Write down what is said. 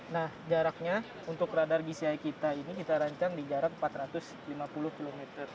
nah jaraknya untuk radar gci kita ini kita rancang di jarak empat ratus lima puluh km